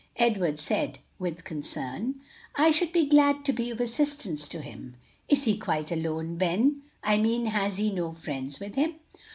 Edward said with concern. "I should be glad to be of assistance to him. Is he quite alone, Ben? I mean has he no friends with him?"